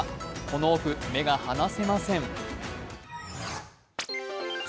このオフ、目が離せません。